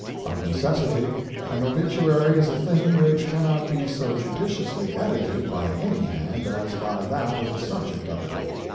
Of necessity, an Obituary is a thing which cannot be so judiciously edited by any hand as by that of the subject of it.